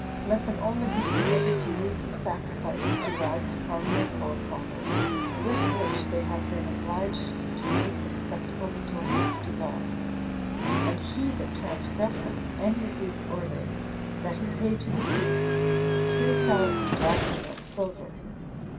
Let them only be permitted to use the sacrifices derived from their forefathers, with which they have been obliged to make acceptable atonements to God. And he that transgresseth any of these orders, let him pay to the priests three thousand drachmae of silver."